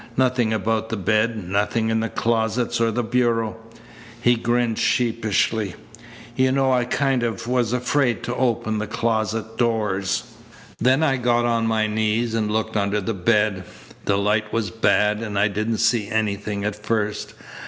Nothing about the bed. Nothing in the closets or the bureau." He grinned sheepishly. "You know I kind of was afraid to open the closet doors. Then I got on my knees and looked under the bed. The light was bad and I didn't see anything at first.